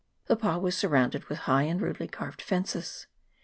The pa was sur rounded with high and rudely carved fences.